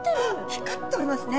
光っておりますね。